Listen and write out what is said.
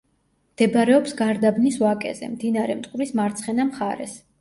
მდებარეობს გარდაბნის ვაკეზე, მდინარე მტკვრის მარცხენა მხარეს.